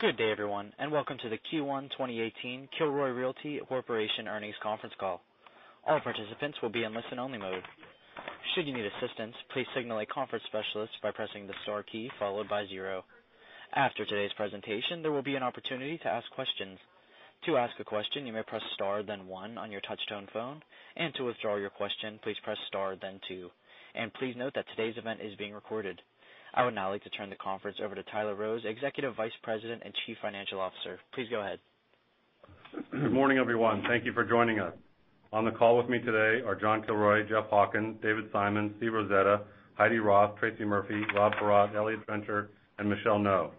Good day, everyone, and welcome to the Q1 2018 Kilroy Realty Corporation earnings conference call. All participants will be in listen-only mode. Should you need assistance, please signal a conference specialist by pressing the star key followed by zero. After today's presentation, there will be an opportunity to ask questions. To ask a question, you may press star then one on your touch-tone phone, and to withdraw your question, please press star then two. Please note that today's event is being recorded. I would now like to turn the conference over to Tyler H. Rose, Executive Vice President and Chief Financial Officer. Please go ahead. Morning, everyone. Thank you for joining us. On the call with me today are John Kilroy, Jeff Hawken, David Simon, Steve Rosetta, Heidi Roth, Tracy Murphy, Rob Paratte, Eliott Trencher, and Michelle Ngo.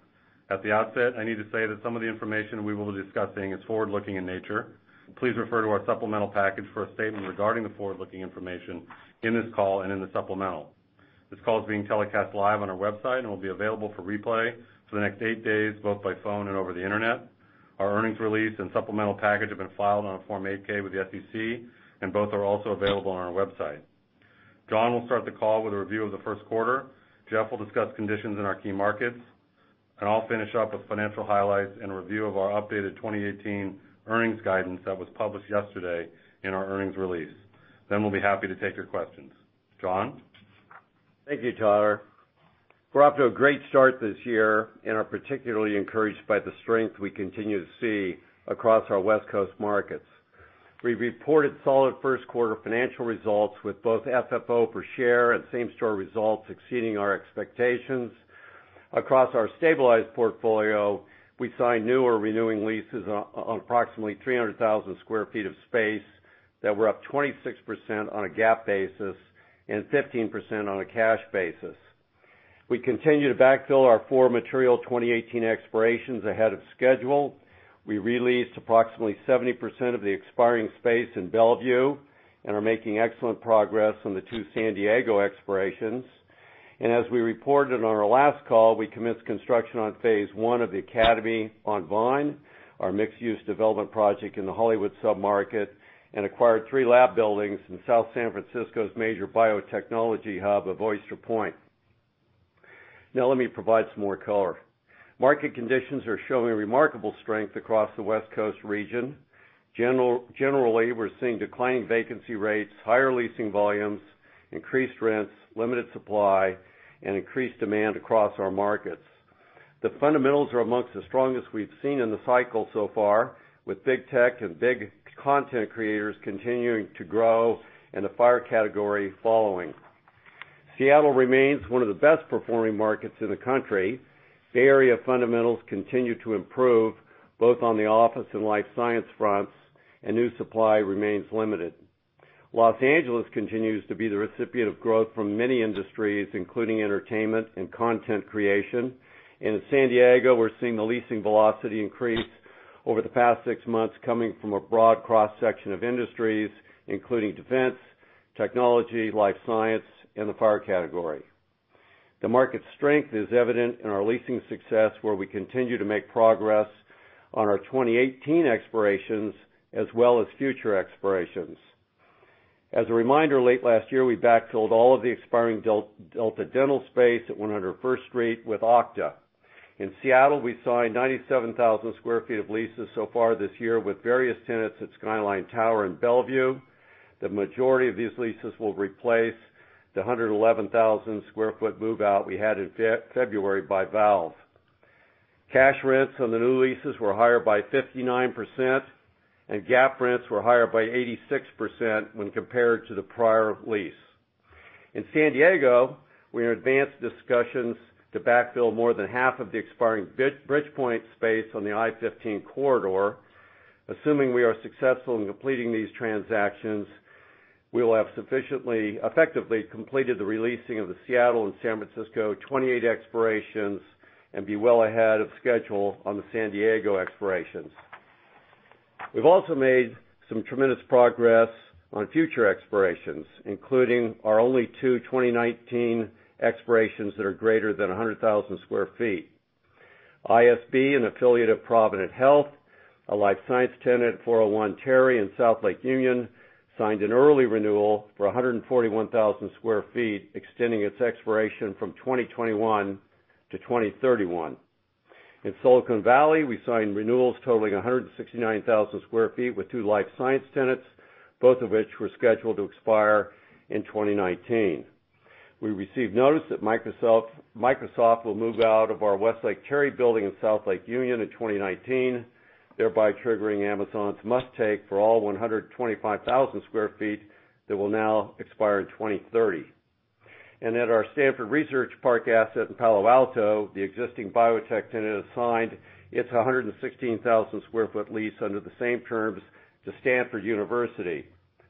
At the outset, I need to say that some of the information we will be discussing is forward-looking in nature. Please refer to our supplemental package for a statement regarding the forward-looking information in this call and in the supplemental. This call is being telecast live on our website and will be available for replay for the next 8 days, both by phone and over the internet. Our earnings release and supplemental package have been filed on a Form 8-K with the SEC, and both are also available on our website. John will start the call with a review of the first quarter. Jeff will discuss conditions in our key markets, I'll finish up with financial highlights and a review of our updated 2018 earnings guidance that was published yesterday in our earnings release. We'll be happy to take your questions. John? Thank you, Tyler. We're off to a great start this year, are particularly encouraged by the strength we continue to see across our West Coast markets. We've reported solid first-quarter financial results, with both FFO per share and same-store results exceeding our expectations. Across our stabilized portfolio, we signed new or renewing leases on approximately 300,000 sq ft of space that were up 26% on a GAAP basis and 15% on a cash basis. We continue to backfill our four material 2018 expirations ahead of schedule. We re-leased approximately 70% of the expiring space in Bellevue and are making excellent progress on the two San Diego expirations. As we reported on our last call, we commenced construction on phase one of The Academy on Vine, our mixed-use development project in the Hollywood submarket, acquired three lab buildings in South San Francisco's major biotechnology hub of Oyster Point. Let me provide some more color. Market conditions are showing remarkable strength across the West Coast region. Generally, we're seeing declining vacancy rates, higher leasing volumes, increased rents, limited supply, and increased demand across our markets. The fundamentals are amongst the strongest we've seen in the cycle so far, with big tech and big content creators continuing to grow and the FIRE category following. Seattle remains one of the best-performing markets in the country. Bay Area fundamentals continue to improve both on the office and life science fronts, and new supply remains limited. Los Angeles continues to be the recipient of growth from many industries, including entertainment and content creation. In San Diego, we're seeing the leasing velocity increase over the past six months coming from a broad cross-section of industries, including defense, technology, life science, and the FIRE category. The market's strength is evident in our leasing success, where we continue to make progress on our 2018 expirations as well as future expirations. As a reminder, late last year, we backfilled all of the expiring Delta Dental space at 100 First Street with Okta. In Seattle, we signed 97,000 sq ft of leases so far this year with various tenants at Skyline Tower and Bellevue. The majority of these leases will replace the 111,000 sq ft move-out we had in February by Valve Corporation. Cash rents on the new leases were higher by 59%, and GAAP rents were higher by 86% when compared to the prior lease. In San Diego, we are in advanced discussions to backfill more than half of the expiring Bridgepoint Education space on the I-15 corridor. Assuming we are successful in completing these transactions, we will have effectively completed the re-leasing of the Seattle and San Francisco 2028 expirations and be well ahead of schedule on the San Diego expirations. We've also made some tremendous progress on future expirations, including our only two 2019 expirations that are greater than 100,000 sq ft. ISB, an affiliate of Providence Health & Services, a life science tenant at 401 Terry in South Lake Union, signed an early renewal for 141,000 sq ft, extending its expiration from 2021 to 2031. In Silicon Valley, we signed renewals totaling 169,000 sq ft with two life science tenants, both of which were scheduled to expire in 2019. We received notice that Microsoft will move out of our Westlake Terry building in South Lake Union in 2019, thereby triggering Amazon's must-take for all 125,000 sq ft that will now expire in 2030. At our Stanford Research Park asset in Palo Alto, the existing biotech tenant has signed its 116,000 sq ft lease under the same terms to Stanford University,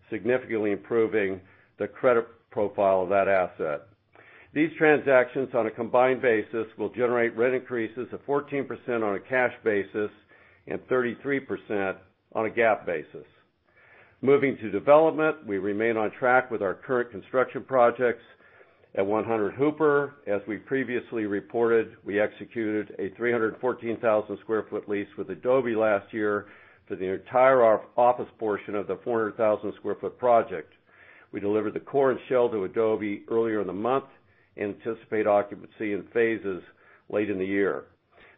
significantly improving the credit profile of that asset. These transactions on a combined basis will generate rent increases of 14% on a cash basis and 33% on a GAAP basis. Moving to development, we remain on track with our current construction projects. At 100 Hooper, as we previously reported, we executed a 314,000 sq ft lease with Adobe last year for the entire office portion of the 400,000 sq ft project. We delivered the core and shell to Adobe earlier in the month and anticipate occupancy in phases late in the year.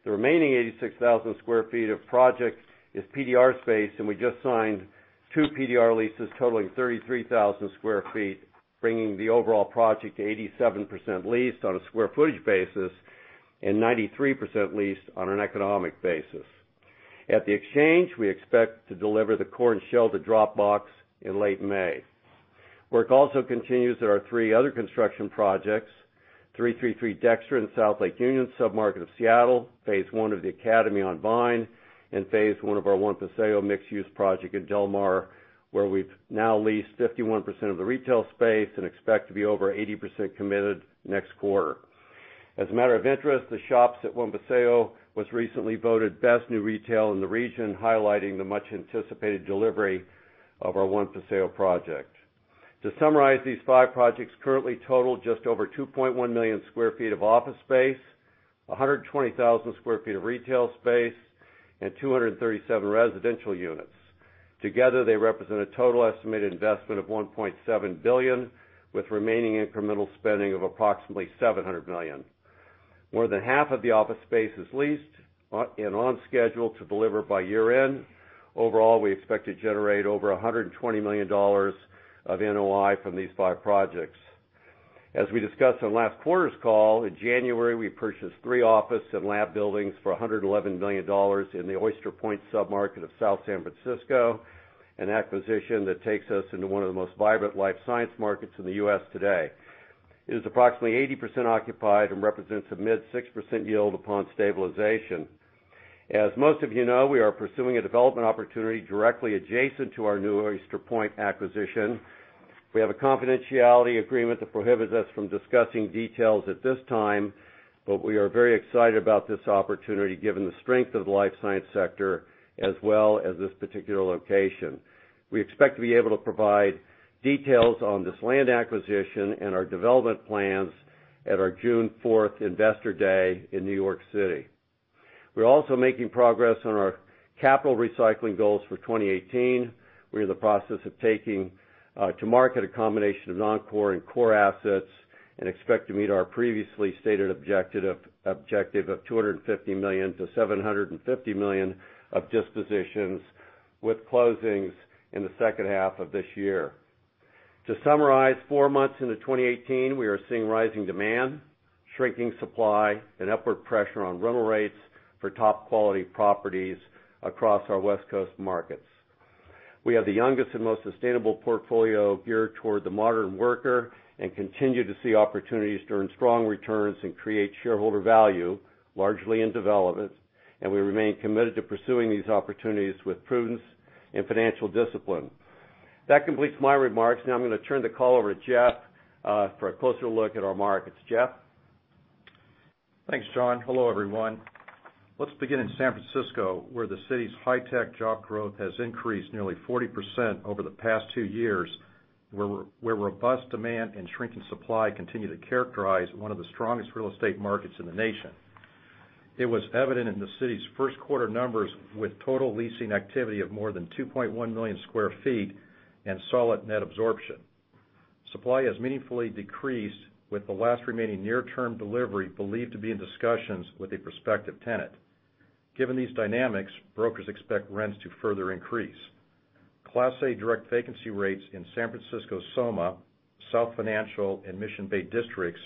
The remaining 86,000 sq ft of project is PDR space, and we just signed two PDR leases totaling 33,000 sq ft, bringing the overall project to 87% leased on a square footage basis and 93% leased on an economic basis. At The Exchange, we expect to deliver the core and shell to Dropbox in late May. Work also continues at our three other construction projects, 333 Dexter in South Lake Union, submarket of Seattle, phase 1 of The Academy on Vine, and phase 1 of our One Paseo mixed-use project in Del Mar, where we've now leased 51% of the retail space and expect to be over 80% committed next quarter. As a matter of interest, The Shops at One Paseo was recently voted best new retail in the region, highlighting the much-anticipated delivery of our One Paseo project. To summarize, these five projects currently total just over 2.1 million sq ft of office space, 120,000 sq ft of retail space, and 237 residential units. Together, they represent a total estimated investment of $1.7 billion, with remaining incremental spending of approximately $700 million. More than half of the office space is leased and on schedule to deliver by year-end. Overall, we expect to generate over $120 million of NOI from these five projects. As we discussed on last quarter's call, in January, we purchased three office and lab buildings for $111 million in the Oyster Point submarket of South San Francisco, an acquisition that takes us into one of the most vibrant life science markets in the U.S. today. It is approximately 80% occupied and represents a mid 6% yield upon stabilization. As most of you know, we are pursuing a development opportunity directly adjacent to our new Oyster Point acquisition. We have a confidentiality agreement that prohibits us from discussing details at this time, but we are very excited about this opportunity given the strength of the life science sector as well as this particular location. We expect to be able to provide details on this land acquisition and our development plans at our June 4th Investor Day in New York City. We're also making progress on our capital recycling goals for 2018. We're in the process of taking to market a combination of non-core and core assets and expect to meet our previously stated objective of $250 million-$750 million of dispositions with closings in the second half of this year. To summarize, four months into 2018, we are seeing rising demand, shrinking supply, and upward pressure on rental rates for top-quality properties across our West Coast markets. We have the youngest and most sustainable portfolio geared toward the modern worker and continue to see opportunities to earn strong returns and create shareholder value, largely in development, and we remain committed to pursuing these opportunities with prudence and financial discipline. That completes my remarks. Now I'm going to turn the call over to Jeff for a closer look at our markets. Jeff? Thanks, John. Hello, everyone. Let's begin in San Francisco, where the city's high-tech job growth has increased nearly 40% over the past two years, where robust demand and shrinking supply continue to characterize one of the strongest real estate markets in the nation. It was evident in the city's first quarter numbers with total leasing activity of more than 2.1 million sq ft and solid net absorption. Supply has meaningfully decreased, with the last remaining near-term delivery believed to be in discussions with a prospective tenant. Given these dynamics, brokers expect rents to further increase. Class A direct vacancy rates in San Francisco SoMa, South Financial, and Mission Bay districts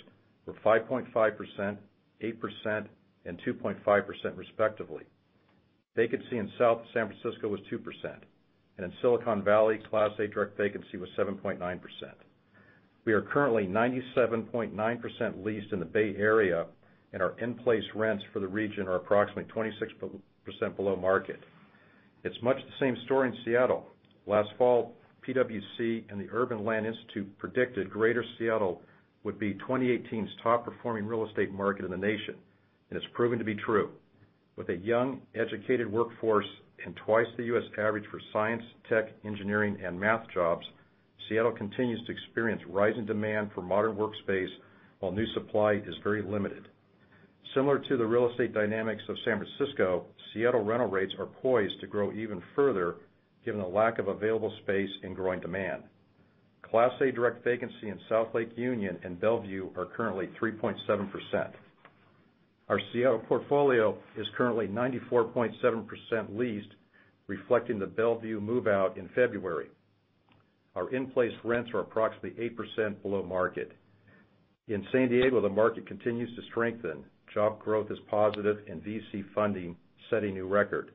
were 5.5%, 8%, and 2.5%, respectively. Vacancy in South San Francisco was 2%, and in Silicon Valley, Class A direct vacancy was 7.9%. We are currently 97.9% leased in the Bay Area, and our in-place rents for the region are approximately 26% below market. It's much the same story in Seattle. Last fall, PwC and the Urban Land Institute predicted Greater Seattle would be 2018's top-performing real estate market in the nation, and it's proven to be true. With a young, educated workforce and twice the U.S. average for science, tech, engineering, and math jobs, Seattle continues to experience rising demand for modern workspace while new supply is very limited. Similar to the real estate dynamics of San Francisco, Seattle rental rates are poised to grow even further given the lack of available space and growing demand. Class A direct vacancy in South Lake Union and Bellevue are currently 3.7%. Our Seattle portfolio is currently 94.7% leased, reflecting the Bellevue move-out in February. Our in-place rents are approximately 8% below market. In San Diego, the market continues to strengthen. Job growth is positive and VC funding set a new record.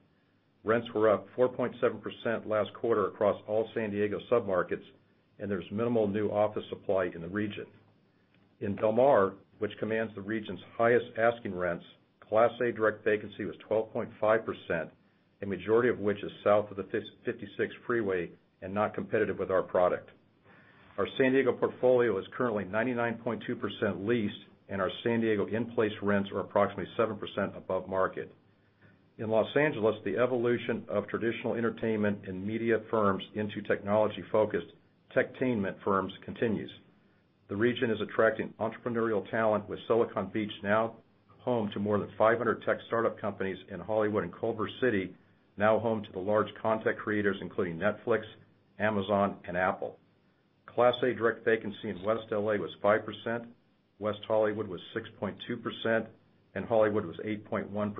Rents were up 4.7% last quarter across all San Diego submarkets, and there's minimal new office supply in the region. In Del Mar, which commands the region's highest asking rents, Class A direct vacancy was 12.5%, a majority of which is south of the 56 freeway and not competitive with our product. Our San Diego portfolio is currently 99.2% leased, and our San Diego in-place rents are approximately 7% above market. In Los Angeles, the evolution of traditional entertainment and media firms into technology-focused techtainment firms continues. The region is attracting entrepreneurial talent with Silicon Beach now home to more than 500 tech startup companies in Hollywood and Culver City, now home to the large content creators including Netflix, Amazon, and Apple. Class A direct vacancy in West L.A. was 5%, West Hollywood was 6.2%, and Hollywood was 8.1%.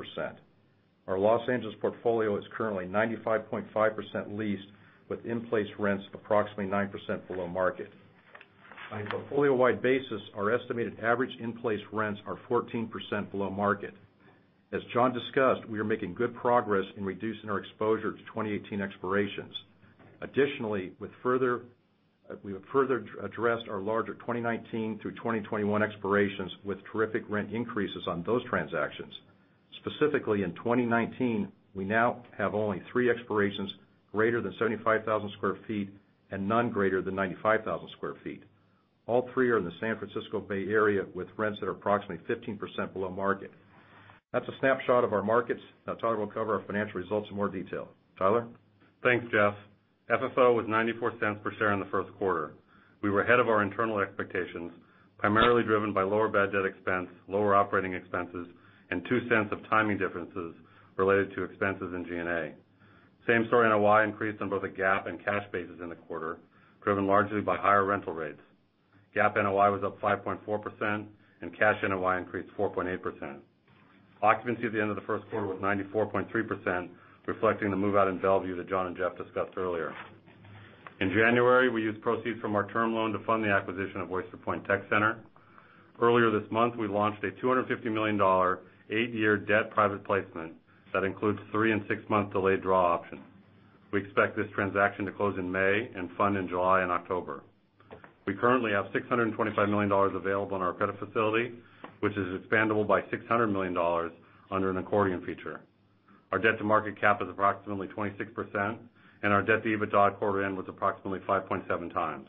Our Los Angeles portfolio is currently 95.5% leased with in-place rents approximately 9% below market. On a portfolio-wide basis, our estimated average in-place rents are 14% below market. As John discussed, we are making good progress in reducing our exposure to 2018 expirations. Additionally, we have further addressed our larger 2019 through 2021 expirations with terrific rent increases on those transactions. Specifically, in 2019, we now have only three expirations greater than 75,000 sq ft and none greater than 95,000 sq ft. All three are in the San Francisco Bay Area with rents that are approximately 15% below market. That's a snapshot of our markets. Tyler will cover our financial results in more detail. Tyler? Thanks, Jeff. FFO was $0.94 per share in the first quarter. We were ahead of our internal expectations, primarily driven by lower bad debt expense, lower operating expenses, and $0.02 of timing differences related to expenses in G&A. Same-store NOI increased on both the GAAP and cash bases in the quarter, driven largely by higher rental rates. GAAP NOI was up 5.4%, and cash NOI increased 4.8%. Occupancy at the end of the first quarter was 94.3%, reflecting the move-out in Bellevue that John and Jeff discussed earlier. In January, we used proceeds from our term loan to fund the acquisition of Oyster Point Tech Center. Earlier this month, we launched a $250 million eight-year debt private placement that includes three and six-month delayed draw options. We expect this transaction to close in May and fund in July and October. We currently have $625 million available on our credit facility, which is expandable by $600 million under an accordion feature. Our debt-to-market cap is approximately 26%, and our debt to EBITDA quarter end was approximately 5.7 times.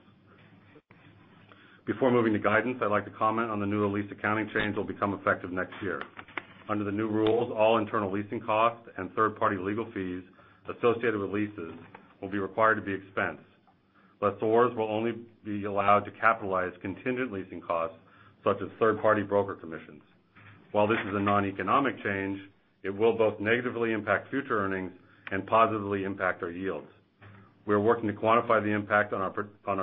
Before moving to guidance, I'd like to comment on the new lease accounting change that will become effective next year. Under the new rules, all internal leasing costs and third-party legal fees associated with leases will be required to be expensed. Lessors will only be allowed to capitalize contingent leasing costs, such as third-party broker commissions. While this is a noneconomic change, it will both negatively impact future earnings and positively impact our yields. We are working to quantify the impact on our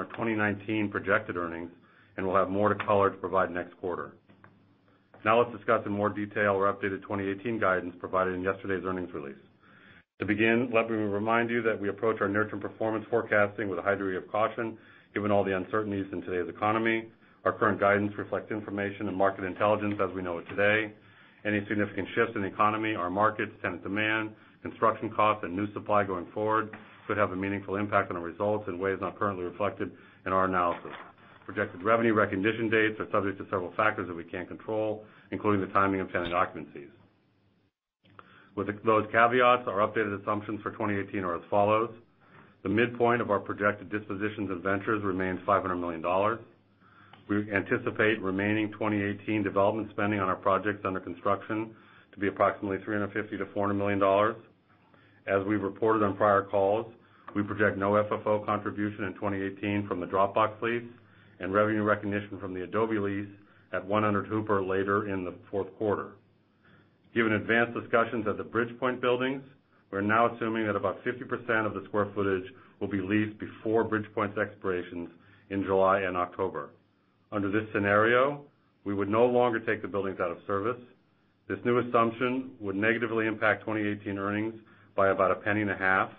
2019 projected earnings, and we'll have more to color to provide next quarter. Let's discuss in more detail our updated 2018 guidance provided in yesterday's earnings release. To begin, let me remind you that we approach our near-term performance forecasting with a high degree of caution, given all the uncertainties in today's economy. Our current guidance reflects information and market intelligence as we know it today. Any significant shifts in the economy or markets, tenant demand, construction costs, and new supply going forward could have a meaningful impact on our results in ways not currently reflected in our analysis. Projected revenue recognition dates are subject to several factors that we can't control, including the timing of tenant occupancies. With those caveats, our updated assumptions for 2018 are as follows. The midpoint of our projected dispositions of ventures remains $500 million. We anticipate remaining 2018 development spending on our projects under construction to be approximately $350 million-$400 million. As we've reported on prior calls, we project no FFO contribution in 2018 from the Dropbox lease and revenue recognition from the Adobe lease at 100 Hooper later in the fourth quarter. Given advanced discussions at the Bridgepoint buildings, we are now assuming that about 50% of the square footage will be leased before Bridgepoint's expirations in July and October. Under this scenario, we would no longer take the buildings out of service. This new assumption would negatively impact 2018 earnings by about a penny and a half,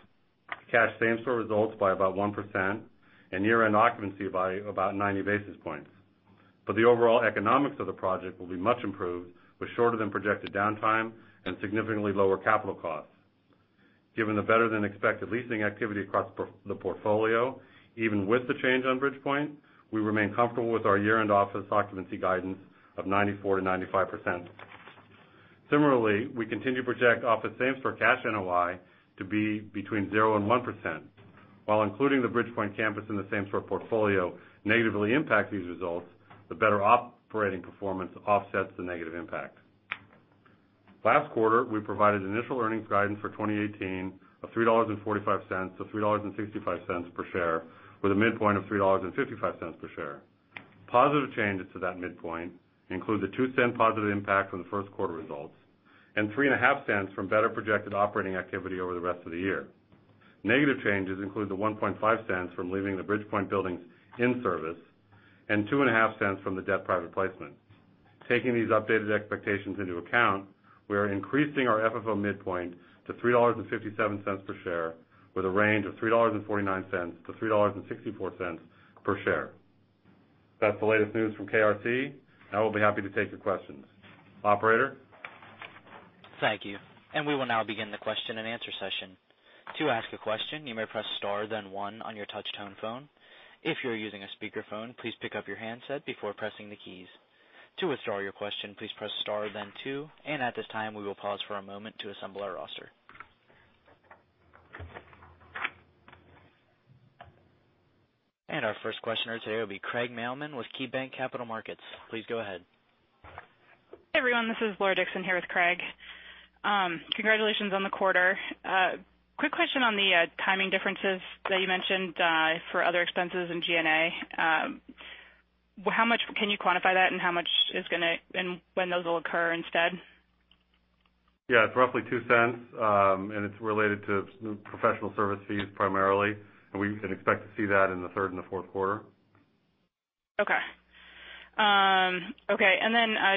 cash same-store results by about 1%, and year-end occupancy by about 90 basis points. The overall economics of the project will be much improved, with shorter-than-projected downtime and significantly lower capital costs. Given the better-than-expected leasing activity across the portfolio, even with the change on Bridgepoint, we remain comfortable with our year-end office occupancy guidance of 94%-95%. Similarly, we continue to project office same-store cash NOI to be between 0% and 1%. While including the Bridgepoint campus in the same-store portfolio negatively impact these results, the better operating performance offsets the negative impact. Last quarter, we provided initial earnings guidance for 2018 of $3.45 to $3.65 per share, with a midpoint of $3.55 per share. Positive changes to that midpoint include the $0.02 positive impact on the first quarter results and three and a half cents from better projected operating activity over the rest of the year. Negative changes include the $0.015 from leaving the Bridgepoint buildings in service and two and a half cents from the debt private placement. Taking these updated expectations into account, we are increasing our FFO midpoint to $3.57 per share with a range of $3.49 to $3.64 per share. That's the latest news from KRC. We will be happy to take your questions. Operator? Thank you. We will now begin the question-and-answer session. To ask a question, you may press star then one on your touch-tone phone. If you're using a speakerphone, please pick up your handset before pressing the keys. To withdraw your question, please press star then two. At this time, we will pause for a moment to assemble our roster. Our first questioner today will be Craig Mailman with KeyBanc Capital Markets. Please go ahead. Everyone, this is Laura Dixon here with Craig. Congratulations on the quarter. Quick question on the timing differences that you mentioned for other expenses in G&A. When those will occur instead? Yeah. It's roughly $0.02, and it's related to professional service fees primarily. We can expect to see that in the third and the fourth quarter. Okay.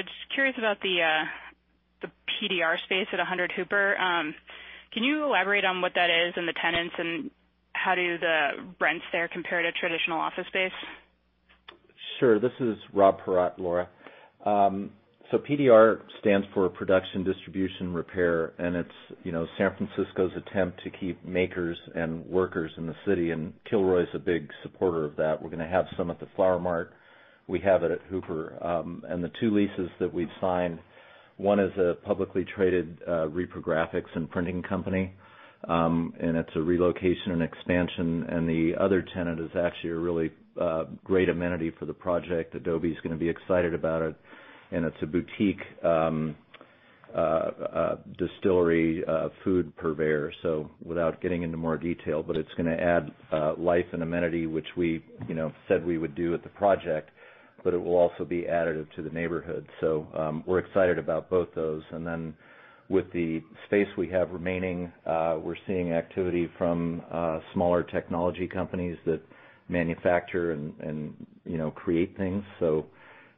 Just curious about the PDR space at 100 Hooper. Can you elaborate on what that is and the tenants, and how do the rents there compare to traditional office space? Sure. This is Rob Paratte, Laura. PDR stands for production, distribution, repair, and it's San Francisco's attempt to keep makers and workers in the city, and Kilroy's a big supporter of that. We're going to have some at the Flower Mart. We have it at Hooper. The two leases that we've signed, one is a publicly traded reprographics and printing company, and it's a relocation and expansion. The other tenant is actually a really great amenity for the project. Adobe's going to be excited about it, and it's a boutique distillery food purveyor. Without getting into more detail, but it's going to add life and amenity, which we said we would do with the project, but it will also be additive to the neighborhood. We're excited about both those. With the space we have remaining, we're seeing activity from smaller technology companies that manufacture and create things.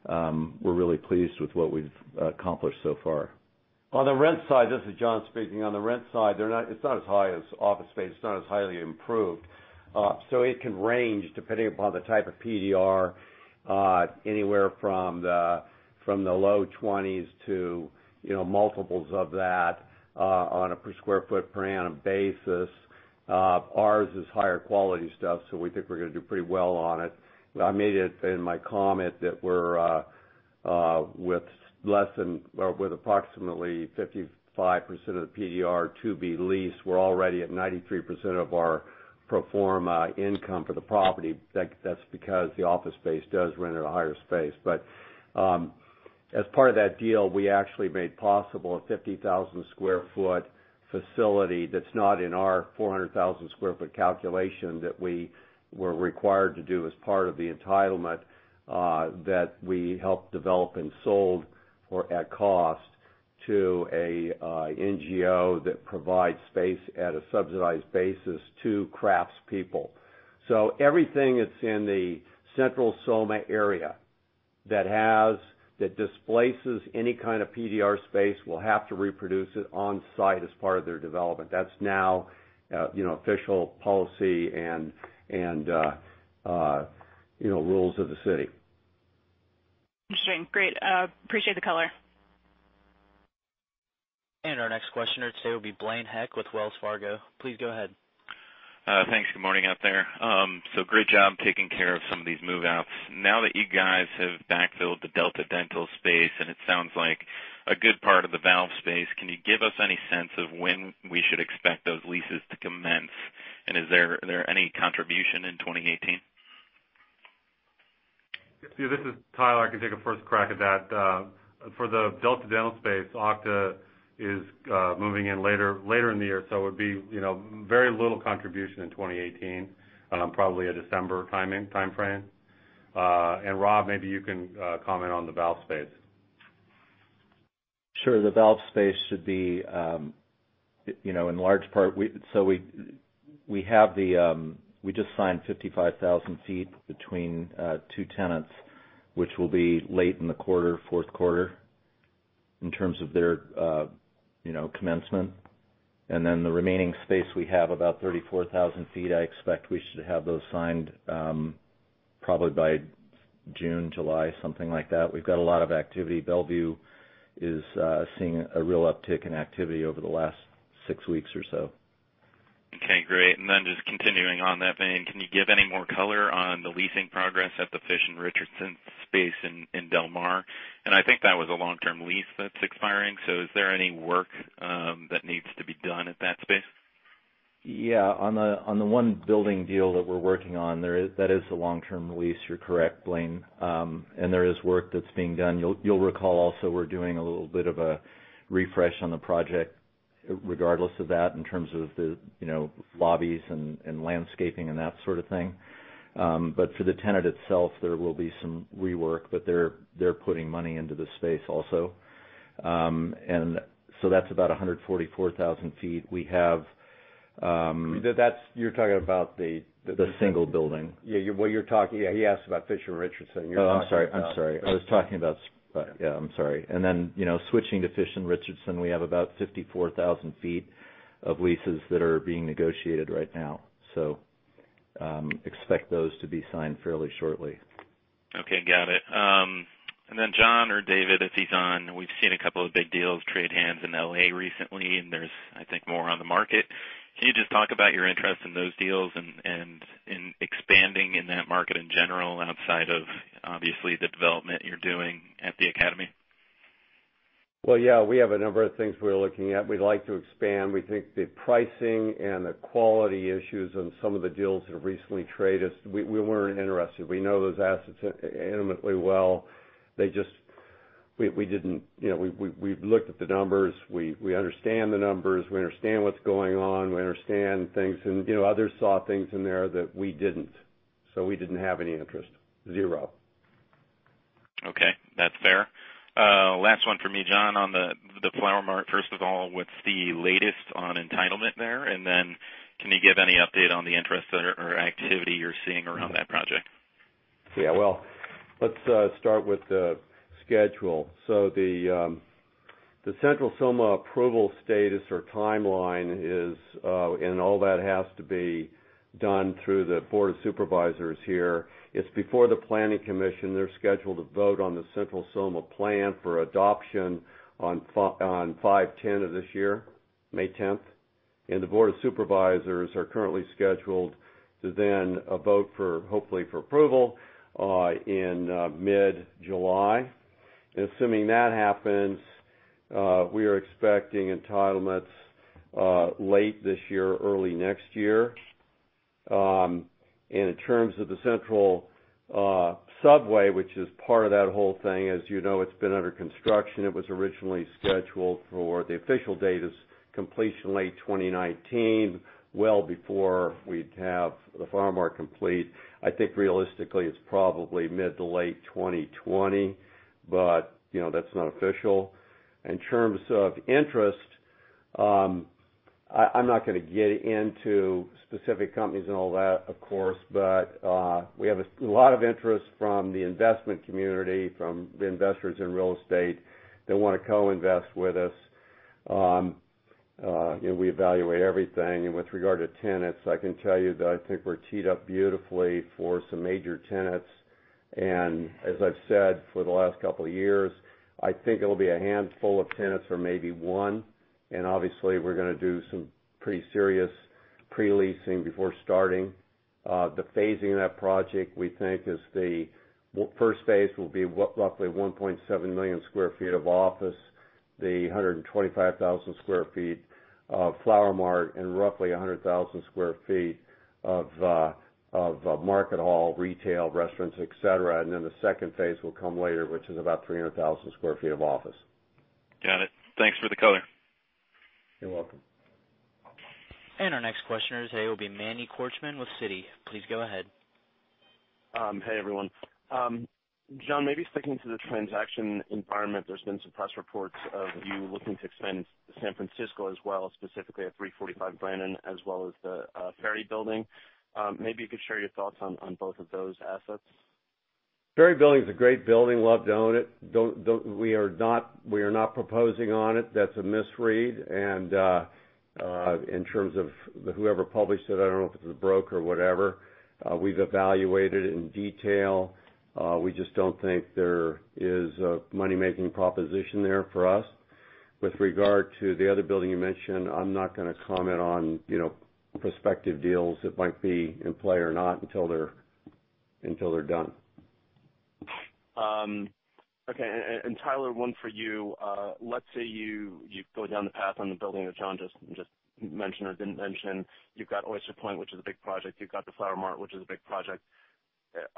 We're really pleased with what we've accomplished so far. On the rent side, this is John speaking. On the rent side, it's not as high as office space. It's not as highly improved. It can range depending upon the type of PDR, anywhere from the low $20s to multiples of that, on a per square foot per annum basis. Ours is higher quality stuff, we think we're going to do pretty well on it. I made it in my comment that with approximately 55% of the PDR to be leased, we're already at 93% of our pro forma income for the property. That's because the office space does rent at a higher space. As part of that deal, we actually made possible a 50,000 square foot facility that's not in our 400,000 square foot calculation that we were required to do as part of the entitlement, that we helped develop and sold at cost to a NGO that provides space at a subsidized basis to craftspeople. Everything that's in the Central SoMa area that displaces any kind of PDR space will have to reproduce it on-site as part of their development. That's now official policy and rules of the city. Interesting. Great. Appreciate the color. Our next questioner today will be Blaine Heck with Wells Fargo. Please go ahead. Thanks. Good morning out there. Great job taking care of some of these move-outs. Now that you guys have backfilled the Delta Dental space, and it sounds like a good part of the Valve space, can you give us any sense of when we should expect those leases to commence? Is there any contribution in 2018? Yeah, this is Tyler. I can take a first crack at that. For the Delta Dental space, Okta is moving in later in the year, so it would be very little contribution in 2018 on probably a December timeframe. Rob, maybe you can comment on the Valve space. Sure. The Valve space should be in large part. We just signed 55,000 feet between two tenants, which will be late in the quarter, fourth quarter, in terms of their commencement. The remaining space, we have about 34,000 feet. I expect we should have those signed probably by June, July, something like that. We've got a lot of activity. Bellevue is seeing a real uptick in activity over the last six weeks or so. Okay, great. Just continuing on that vein, can you give any more color on the leasing progress at the Fish & Richardson space in Del Mar? I think that was a long-term lease that's expiring, so is there any work that needs to be done at that space? Yeah. On the one building deal that we're working on, that is the long-term lease, you're correct, Blaine. There is work that's being done. You'll recall also we're doing a little bit of a refresh on the project regardless of that, in terms of the lobbies and landscaping and that sort of thing. For the tenant itself, there will be some rework, but they're putting money into the space also. That's about 144,000 feet. You're talking about the The single building. Yeah. He asked about Fish & Richardson. You're talking about- Oh, I'm sorry. I was talking about Yeah, I'm sorry. Switching to Fish & Richardson, we have about 54,000 feet of leases that are being negotiated right now, so expect those to be signed fairly shortly. Okay, got it. John or David, if he's on, we've seen a couple of big deals trade hands in L.A. recently, and there's, I think, more on the market. Can you just talk about your interest in those deals and in expanding in that market in general outside of, obviously, the development you're doing at The Academy? Well, yeah, we have a number of things we're looking at. We'd like to expand. We think the pricing and the quality issues on some of the deals that have recently traded, we weren't interested. We know those assets intimately well. We've looked at the numbers, we understand the numbers, we understand what's going on, we understand things. Others saw things in there that we didn't, so we didn't have any interest. Zero. Okay. That's fair. Last one for me, John. On the Flower Mart, first of all, what's the latest on entitlement there? Can you give any update on the interest or activity you're seeing around that project? Well, let's start with the schedule. The Central SoMa approval status or timeline is, and all that has to be done through the board of supervisors here, it's before the planning commission. They're scheduled to vote on the Central SoMa plan for adoption on 5/10 of this year, May 10th. The board of supervisors are currently scheduled to vote, hopefully, for approval in mid-July. Assuming that happens, we are expecting entitlements late this year or early next year. In terms of the Central Subway, which is part of that whole thing, as you know, it's been under construction. The official date is completion late 2019, well before we'd have the Flower Mart complete. I think realistically, it's probably mid to late 2020, but that's not official. In terms of interest, I'm not going to get into specific companies and all that, of course, but we have a lot of interest from the investment community, from the investors in real estate that want to co-invest with us. We evaluate everything. With regard to tenants, I can tell you that I think we're teed up beautifully for some major tenants. As I've said for the last couple of years, I think it'll be a handful of tenants or maybe one. Obviously, we're going to do some pretty serious pre-leasing before starting. The phasing of that project, we think, is the first phase will be roughly 1.7 million sq ft of office, the 125,000 sq ft of Flower Mart, and roughly 100,000 sq ft of market hall, retail, restaurants, et cetera. The second phase will come later, which is about 300,000 sq ft of office. Got it. Thanks for the color. You're welcome. Our next questioner today will be Manny Korchman with Citi. Please go ahead. Hey, everyone. John, maybe sticking to the transaction environment, there's been some press reports of you looking to expand to San Francisco as well, specifically at 345 Brannan, as well as the Ferry Building. Maybe you could share your thoughts on both of those assets. Ferry Building's a great building. Love to own it. We are not proposing on it. That's a misread. In terms of whoever published it, I don't know if it's a broker or whatever. We've evaluated it in detail. We just don't think there is a money-making proposition there for us. With regard to the other building you mentioned, I'm not going to comment on prospective deals that might be in play or not until they're done. Okay. Tyler, one for you. Let's say you go down the path on the building that John just mentioned or didn't mention. You've got Oyster Point, which is a big project. You've got the Flower Mart, which is a big project.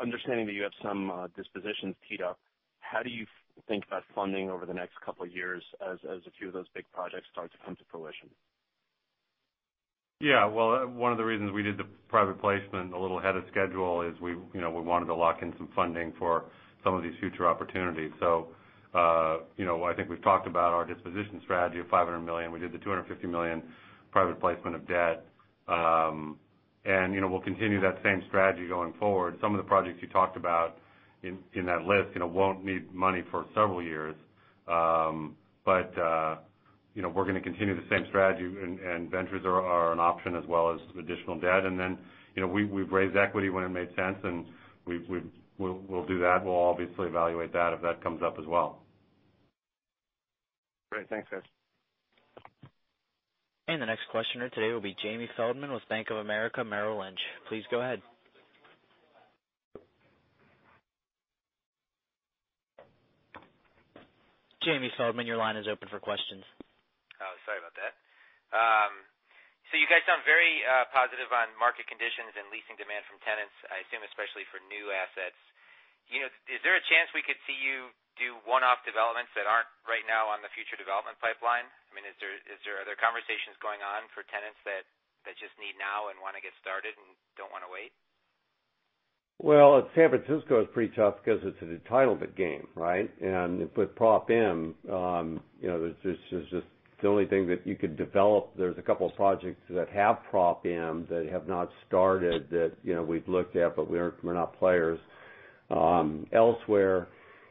Understanding that you have some dispositions teed up, how do you think about funding over the next couple of years as a few of those big projects start to come to fruition? Yeah. Well, one of the reasons we did the private placement a little ahead of schedule is we wanted to lock in some funding for some of these future opportunities. I think we've talked about our disposition strategy of $500 million. We did the $250 million private placement of debt. We'll continue that same strategy going forward. Some of the projects you talked about in that list won't need money for several years. We're going to continue the same strategy, and ventures are an option as well as additional debt. We've raised equity when it made sense, and we'll do that. We'll obviously evaluate that if that comes up as well. Great. Thanks, guys. The next questioner today will be Jamie Feldman with Bank of America Merrill Lynch. Please go ahead. Jamie Feldman, your line is open for questions. Oh, sorry about that. You guys sound very positive on market conditions and leasing demand from tenants, I assume, especially for new assets. Is there a chance we could see you do one-off developments that are not right now on the future development pipeline? Are there conversations going on for tenants that just need now and want to get started and do not want to wait? Well, San Francisco is pretty tough because it is an entitlement game, right? With Proposition M, there is just the only thing that you could develop, there are a couple projects that have Proposition M that have not started that we have looked at, but we are not players. Elsewhere,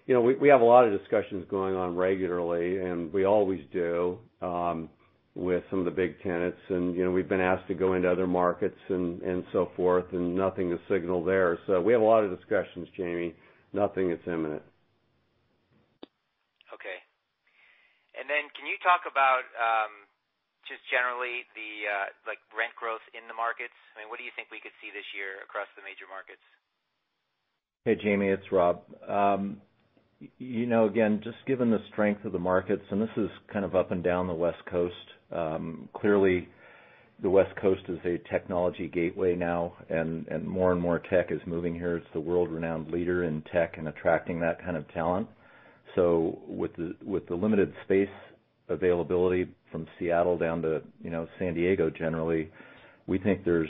we have a lot of discussions going on regularly, and we always do, with some of the big tenants, and we have been asked to go into other markets and so forth, and nothing is signaled there. We have a lot of discussions, Jamie. Nothing is imminent. Okay. Can you talk about, just generally, the rent growth in the markets? What do you think we could see this year across the major markets? Hey, Jamie, it's Rob Paratte. Just given the strength of the markets, this is kind of up and down the West Coast. Clearly, the West Coast is a technology gateway now, more and more tech is moving here. It's the world-renowned leader in tech and attracting that kind of talent. With the limited space availability from Seattle down to San Diego, generally, we think there's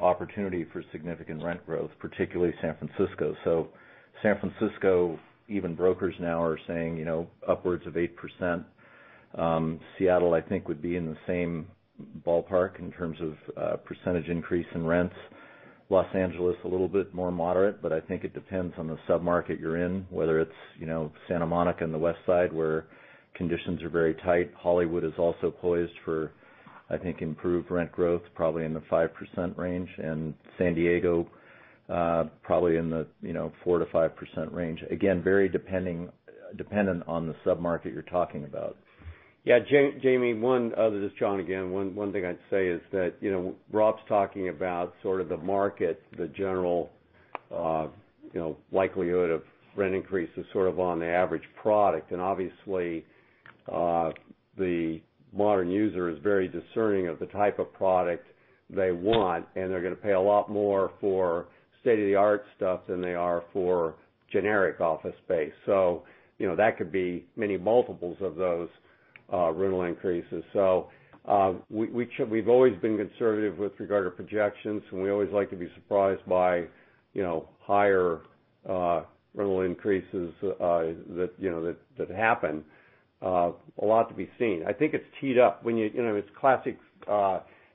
opportunity for significant rent growth, particularly San Francisco. San Francisco, even brokers now are saying, upwards of 8%. Seattle, I think, would be in the same ballpark in terms of percentage increase in rents. Los Angeles, a little bit more moderate, but I think it depends on the sub-market you're in, whether it's Santa Monica on the West Side, where conditions are very tight. Hollywood is also poised for, I think, improved rent growth, probably in the 5% range, San Diego, probably in the 4%-5% range. Again, very dependent on the sub-market you're talking about. Jamie, this is John again. One thing I'd say is that Rob's talking about sort of the market, the general likelihood of rent increases sort of on the average product. Obviously, the modern user is very discerning of the type of product they want, they're going to pay a lot more for state-of-the-art stuff than they are for generic office space. That could be many multiples of those rental increases. We've always been conservative with regard to projections, we always like to be surprised by higher rental increases that happen. A lot to be seen. I think it's teed up. It's classic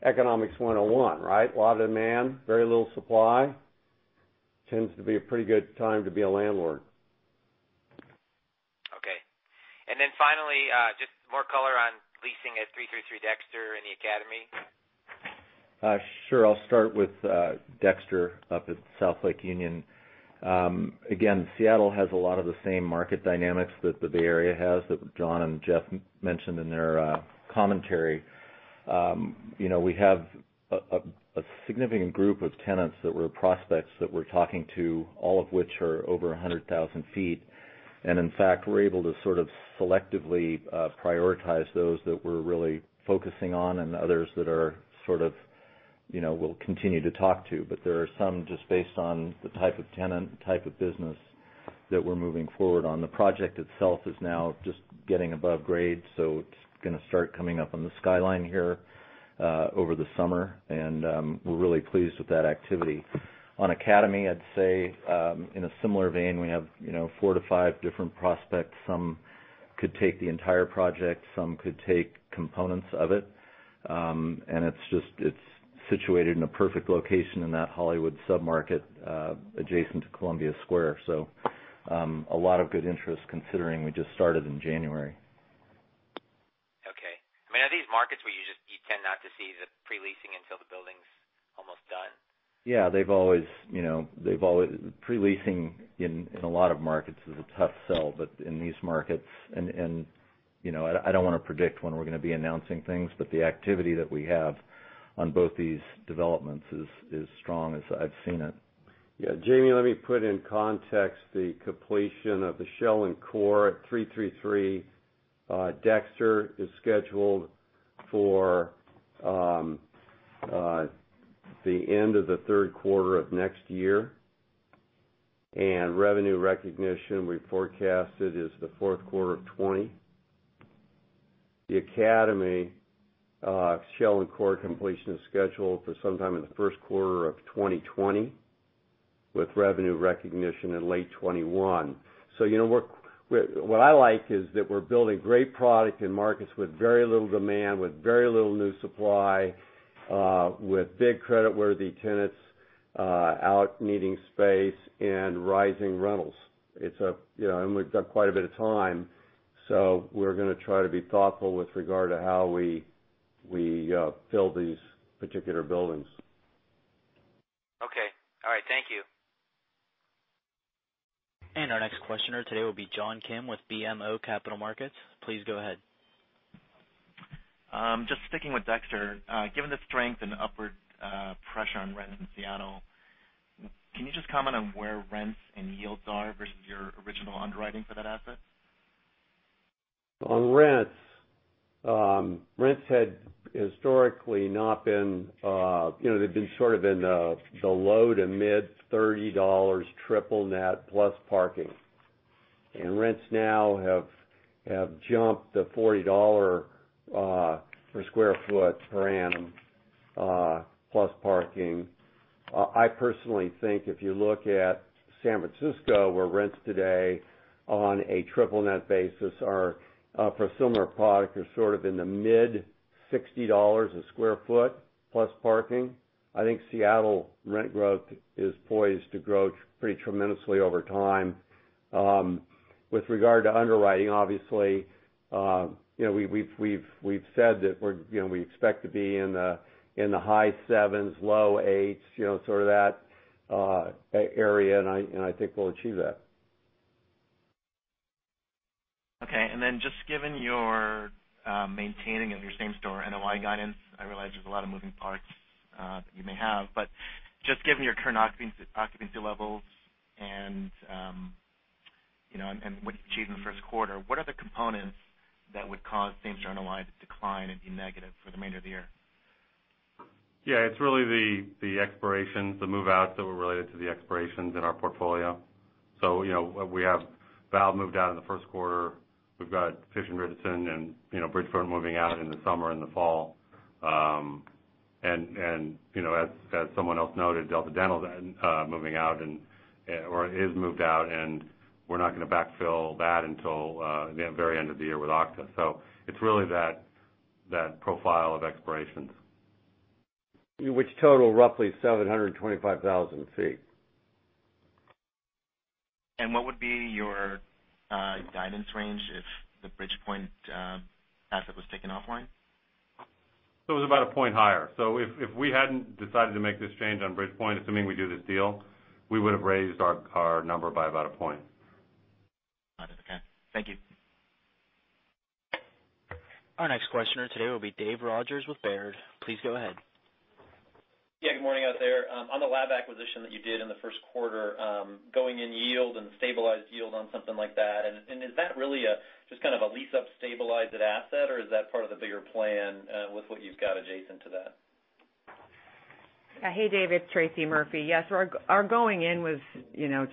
economics 101, right? A lot of demand, very little supply, tends to be a pretty good time to be a landlord. Okay. Finally, just more color on leasing at 333 Dexter and The Academy. Sure. I'll start with Dexter up at South Lake Union. Seattle has a lot of the same market dynamics that the Bay Area has, that John and Jeff mentioned in their commentary. We have a significant group of tenants that were prospects that we're talking to, all of which are over 100,000 feet. In fact, we're able to sort of selectively prioritize those that we're really focusing on and others that we'll continue to talk to. There are some just based on the type of tenant, type of business that we're moving forward on. The project itself is now just getting above grade, so it's going to start coming up on the skyline here over the summer, and we're really pleased with that activity. On Academy, I'd say, in a similar vein, we have four to five different prospects. Some could take the entire project, some could take components of it. It's situated in a perfect location in that Hollywood sub-market, adjacent to Columbia Square. A lot of good interest considering we just started in January. Okay. Are these markets where you tend not to see the pre-leasing until the building's almost done? Yeah. Pre-leasing in a lot of markets is a tough sell, but in these markets I don't want to predict when we're going to be announcing things, but the activity that we have on both these developments is as strong as I've seen it. Jamie, let me put in context the completion of the shell and core at 333 Dexter is scheduled for the end of the third quarter of next year. Revenue recognition, we forecasted, is the fourth quarter of 2020. The Academy shell and core completion is scheduled for some time in the first quarter of 2020, with revenue recognition in late 2021. What I like is that we're building great product in markets with very little demand, with very little new supply, with big creditworthy tenants out needing space and rising rentals. We've got quite a bit of time, so we're going to try to be thoughtful with regard to how we fill these particular buildings. Okay. All right. Thank you. Our next questioner today will be John Kim with BMO Capital Markets. Please go ahead. Just sticking with Dexter. Given the strength and upward pressure on rents in Seattle, can you just comment on where rents and yields are versus your original underwriting for that asset? On rents had historically, they've been sort of in the low to mid-$30 triple net plus parking. Rents now have jumped to $40 per square foot per annum plus parking. I personally think if you look at San Francisco, where rents today on a triple net basis are, for a similar product, are sort of in the mid-$60 a square foot plus parking. I think Seattle rent growth is poised to grow pretty tremendously over time. With regard to underwriting, obviously, we've said that we expect to be in the high sevens, low eights, sort of that area, and I think we'll achieve that. Okay. Then just given your maintaining of your same-store NOI guidance, I realize there's a lot of moving parts that you may have. Just given your current occupancy levels and what you achieved in the first quarter, what are the components that would cause same-store NOI to decline and be negative for the remainder of the year? Yeah. It's really the expirations, the move-outs that were related to the expirations in our portfolio. We have Valve Corporation moved out in the first quarter. We've got Fish & Richardson and Bridgepoint Education moving out in the summer and the fall. As someone else noted, Delta Dental is moved out, and we're not going to backfill that until the very end of the year with Okta. It's really that profile of expirations. Which total roughly 725,000 feet. What would be your guidance range if the Bridgepoint Education asset was taken offline? It was about a point higher. If we hadn't decided to make this change on Bridgepoint Education, assuming we do this deal, we would've raised our number by about a point. Understood. Okay. Thank you. Our next questioner today will be David Rogers with Baird. Please go ahead. Good morning out there. On the lab acquisition that you did in the first quarter, going-in yield and stabilized yield on something like that, is that really just kind of a lease-up stabilized asset, or is that part of the bigger plan with what you've got adjacent to that? Hey, David, Tracy Murphy. Yes, our going-in was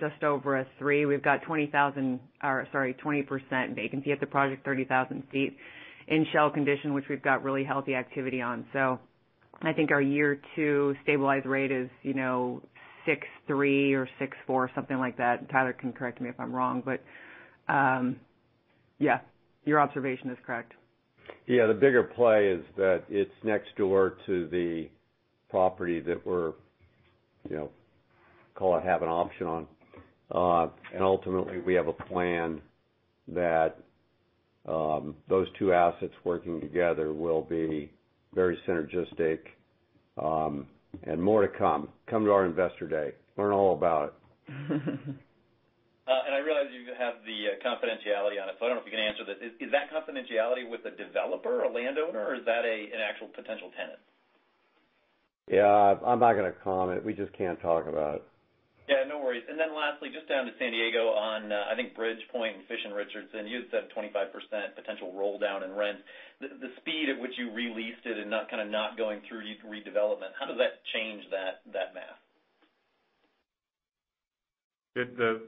just over a three. We've got 20% vacancy at the project, 30,000 feet in shell condition, which we've got really healthy activity on. I think our year two stabilized rate is 63 or 64, something like that. Tyler can correct me if I'm wrong, yeah, your observation is correct. The bigger play is that it's next door to the property that we have an option on. Ultimately, we have a plan that those two assets working together will be very synergistic, more to come. Come to our investor day, learn all about it. I realize you have the confidentiality on it, I don't know if you can answer this. Is that confidentiality with a developer, a landowner, or is that an actual potential tenant? Yeah. I am not going to comment. We just can not talk about it. Lastly, just down to San Diego on, I think Bridgepoint and Fish & Richardson. You had said 25% potential roll-down in rent. The speed at which you re-leased it and kind of not going through redevelopment, how does that change that math?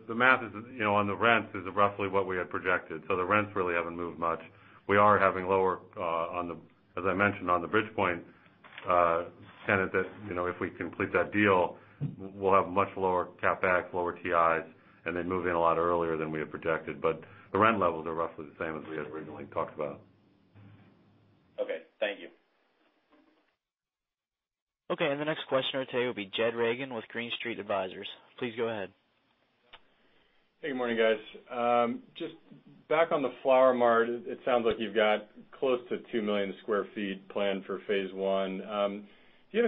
The math on the rents is roughly what we had projected. The rents really have not moved much. We are having lower, as I mentioned on the Bridgepoint tenant that if we complete that deal, we will have much lower CapEx, lower TIs, and they would move in a lot earlier than we had projected. The rent levels are roughly the same as we had originally talked about. Okay. Thank you. Okay. The next questioner today will be Jed Reagan with Green Street Advisors. Please go ahead. Hey, good morning, guys. Just back on the Flower Mart, it sounds like you've got close to 2 million square feet planned for phase 1. Do you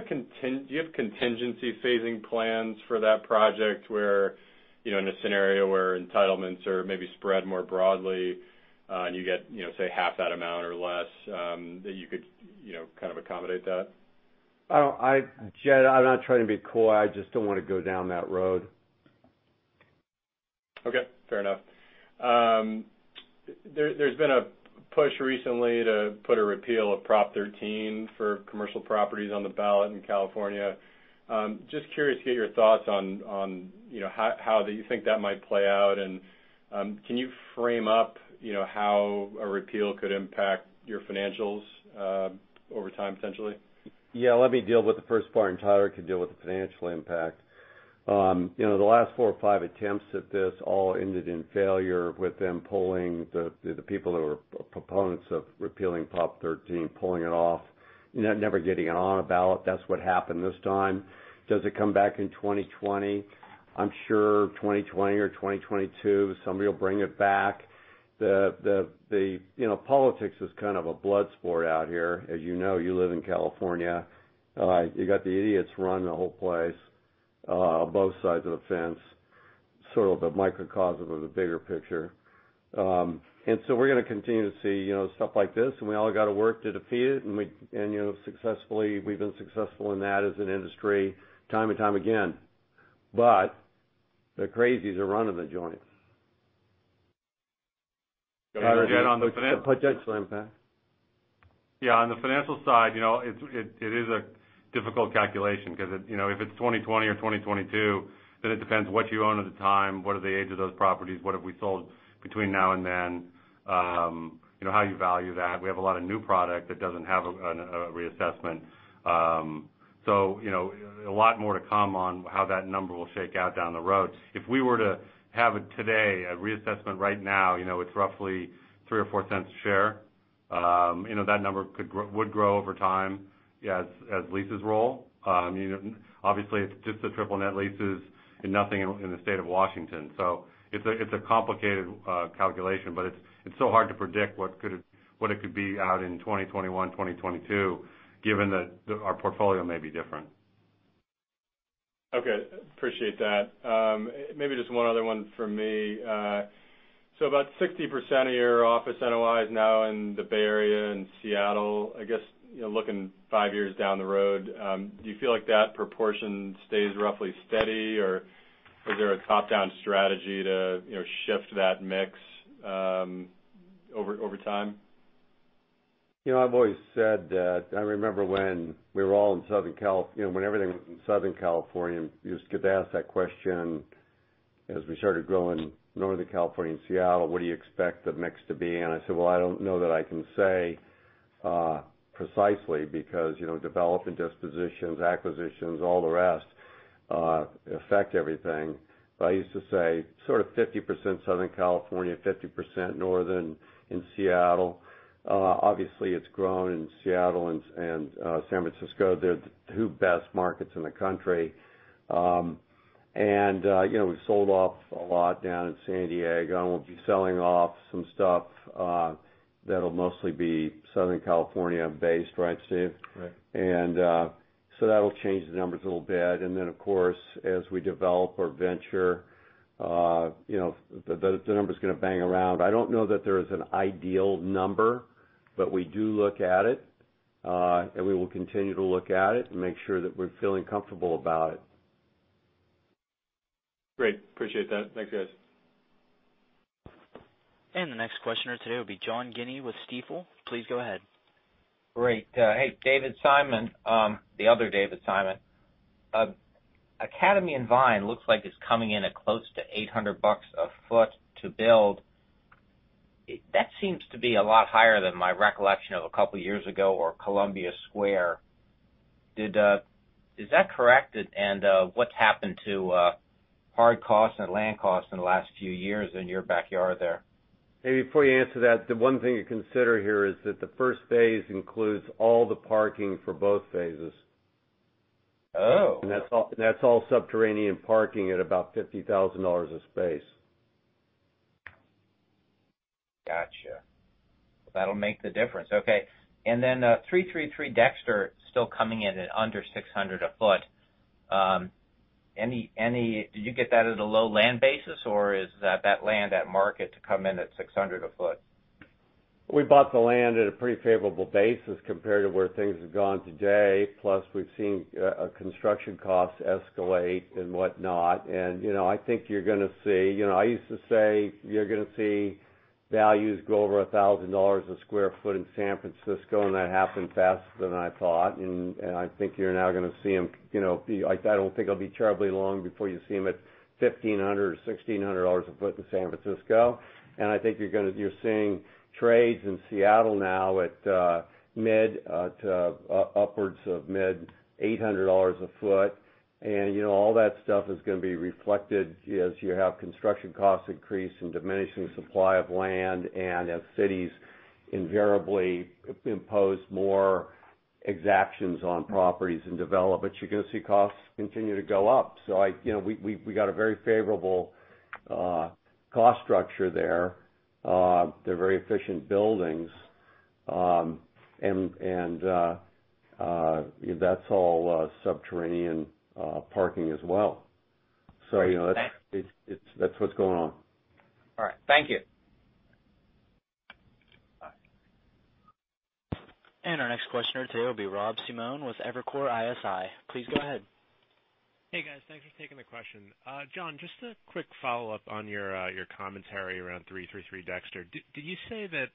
have contingency phasing plans for that project where, in a scenario where entitlements are maybe spread more broadly, and you get, say, half that amount or less, that you could kind of accommodate that? Jed, I'm not trying to be coy. I just don't want to go down that road. Okay, fair enough. There's been a push recently to put a repeal of Proposition 13 for commercial properties on the ballot in California. Just curious to get your thoughts on how you think that might play out, and can you frame up how a repeal could impact your financials over time, potentially? Yeah, let me deal with the first part. Tyler can deal with the financial impact. The last four or five attempts at this all ended in failure with them polling the people who are proponents of repealing Proposition 13, polling it off, never getting it on a ballot. That's what happened this time. Does it come back in 2020? I'm sure 2020 or 2022, somebody will bring it back. Politics is kind of a blood sport out here. As you know, you live in California. You got the idiots running the whole place, both sides of the fence, sort of the microcosm of the bigger picture. We're gonna continue to see stuff like this, and we all got to work to defeat it, and we've been successful in that as an industry time and time again. The crazies are running the joint. Jed, on the financial- Tyler, the potential impact. Yeah, on the financial side, it is a difficult calculation because if it's 2020 or 2022, it depends what you own at the time, what are the age of those properties, what have we sold between now and then, how you value that. We have a lot of new product that doesn't have a reassessment. A lot more to come on how that number will shake out down the road. If we were to have it today, a reassessment right now, it's roughly $0.03 or $0.04 a share. That number would grow over time as leases roll. Obviously, it's just the triple net leases and nothing in the state of Washington. It's a complicated calculation, but it's so hard to predict what it could be out in 2021, 2022, given that our portfolio may be different. Okay. Appreciate that. Maybe just one other one from me. About 60% of your office NOI is now in the Bay Area and Seattle. I guess, looking five years down the road, do you feel like that proportion stays roughly steady, or is there a top-down strategy to shift that mix over time? I've always said that I remember when we were all in Southern California, you used to get asked that question as we started growing Northern California and Seattle, "What do you expect the mix to be?" I said, "Well, I don't know that I can say precisely," because development dispositions, acquisitions, all the rest affect everything. I used to say sort of 50% Southern California, 50% Northern in Seattle. Obviously, it's grown in Seattle and San Francisco. They're the two best markets in the country. We've sold off a lot down in San Diego, and we'll be selling off some stuff that'll mostly be Southern California-based. Right, Steve? Right. That'll change the numbers a little bit. Then, of course, as we develop or venture, the number's going to bang around. I don't know that there is an ideal number, but we do look at it. We will continue to look at it and make sure that we're feeling comfortable about it. Great. Appreciate that. Thanks, guys. The next questioner today will be John Guinee with Stifel. Please go ahead. Great. Hey, David Simon. The other David Simon. Academy on Vine looks like it's coming in at close to $800 a foot to build. That seems to be a lot higher than my recollection of a couple years ago or Columbia Square. Is that correct? What's happened to hard costs and land costs in the last few years in your backyard there? Maybe before you answer that, the one thing to consider here is that the first phase includes all the parking for both phases. Oh. That's all subterranean parking at about $50,000 a space. Gotcha. That'll make the difference. Okay. 333 Dexter still coming in at under $600 a foot. Did you get that at a low land basis, or is that land at market to come in at $600 a foot? We bought the land at a pretty favorable basis compared to where things have gone today, plus we've seen construction costs escalate and whatnot. I think I used to say, you're going to see values go over $1,000 a square foot in San Francisco, and that happened faster than I thought. I think you're now going to see them. I don't think it'll be terribly long before you see them at $1,500 or $1,600 a foot in San Francisco. I think you're seeing trades in Seattle now at upwards of mid $800 a foot. All that stuff is going to be reflected as you have construction costs increase and diminishing supply of land and as cities invariably impose more exactions on properties and development. You're going to see costs continue to go up. We got a very favorable cost structure there. They're very efficient buildings. That's all subterranean parking as well. That's what's going on. All right. Thank you. Bye. Our next questioner today will be Rob Simone with Evercore ISI. Please go ahead. Hey, guys. Thanks for taking the question. John, just a quick follow-up on your commentary around 333 Dexter. Did you say that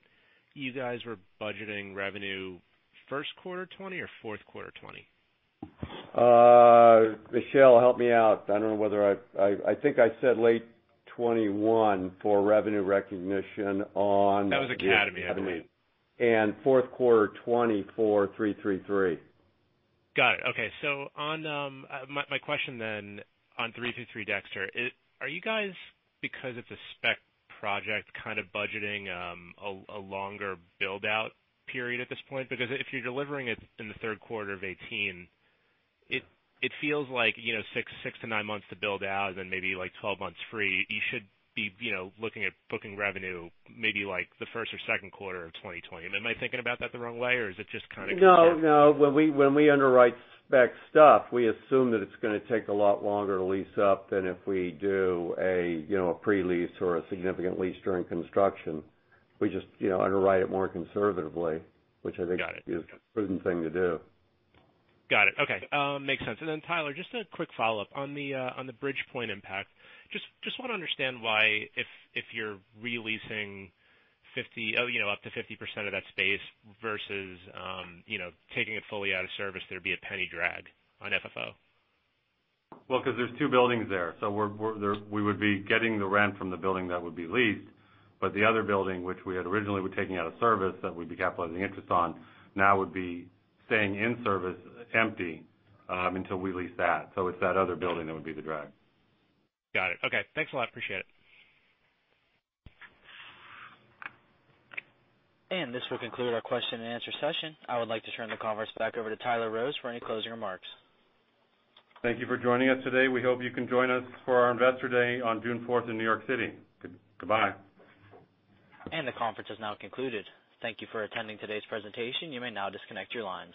you guys were budgeting revenue first quarter 2020 or fourth quarter 2020? Michelle, help me out. I don't know whether I think I said late 2021 for revenue recognition on- That was Academy, I believe. fourth quarter 2020 for 333. Got it. Okay. My question then on 333 Dexter, are you guys, because it's a spec project, kind of budgeting a longer build-out period at this point? Because if you're delivering it in the third quarter of 2018, it feels like six to nine months to build out and then maybe 12 months free. You should be looking at booking revenue maybe the first or second quarter of 2020. Am I thinking about that the wrong way, or is it just kind of? No. When we underwrite spec stuff, we assume that it's going to take a lot longer to lease up than if we do a pre-lease or a significant lease during construction. We just underwrite it more conservatively, which I think. Got it. is a prudent thing to do. Got it. Okay. Makes sense. Tyler, just a quick follow-up. On the Bridgepoint impact, just want to understand why, if you're re-leasing up to 50% of that space versus taking it fully out of service, there'd be a $0.01 drag on FFO. Well, because there's two buildings there. We would be getting the rent from the building that would be leased, but the other building, which we had originally were taking out of service, that we'd be capitalizing interest on, now would be staying in service empty until we lease that. It's that other building that would be the drag. Got it. Okay. Thanks a lot. Appreciate it. This will conclude our question-and-answer session. I would like to turn the conference back over to Tyler Rose for any closing remarks. Thank you for joining us today. We hope you can join us for our Investor Day on June 4th in New York City. Goodbye. The conference is now concluded. Thank you for attending today's presentation. You may now disconnect your lines.